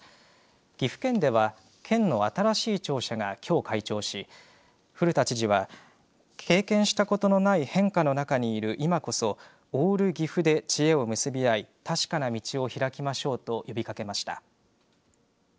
岐阜県では県の新しい庁舎がきょう開庁し古田知事は経験したことのない変化の中にいる今こそオール岐阜で知恵を結び合い確かな道を開きましょうと呼びかけました。